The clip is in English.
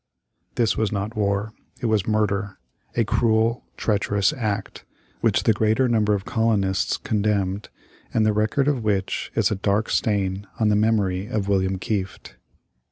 This was not war. It was murder. A cruel, treacherous act, which the greater number of colonists condemned and the record of which is a dark stain on the memory of William Kieft.